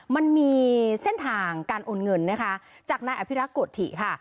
มันมีเส้นทางการโอนเงินนะคะจากนายอภิรักษ์โกธิค่ะ